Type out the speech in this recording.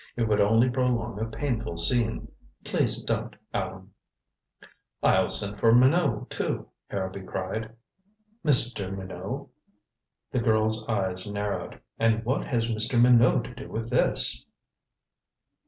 "It would only prolong a painful scene. Please don't, Allan." "I'll send for Minot, too," Harrowby cried. "Mr. Minot?" The girl's eyes narrowed. "And what has Mr. Minot to do with this?"